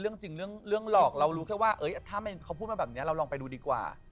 เรื่องจริงเรื่องหลอกเรารู้แค่ว่าถ้าเขาพูดมาแบบนี้เราลองไปดูดีกว่า